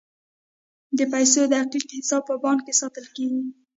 د پیسو دقیق حساب په بانک کې ساتل کیږي.